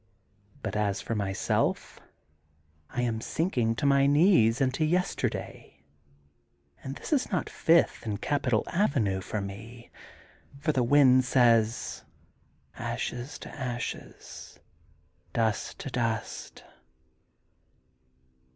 But as for myself, I am sinking to my knees into yesterday, and this is not Fifth and Capi tal Avenue, for me, for the wind says: ashes to ashes dust to dust.'